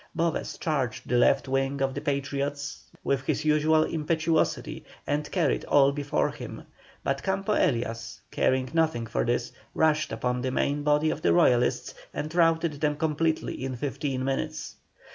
Boves charged the left wing of the Patriots with his usual impetuosity, and carried all before him, but Campo Elias, caring nothing for this, rushed upon the main body of the Royalists, and routed them completely in fifteen minutes.